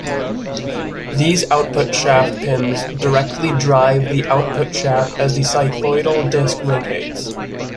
These output shaft pins directly drive the output shaft as the cycloidal disc rotates.